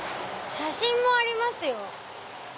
写真もありますよ。